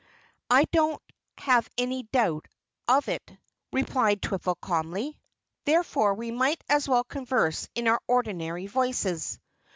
"I don't have any doubt of it," replied Twiffle calmly. "Therefore we might as well converse in our ordinary voices."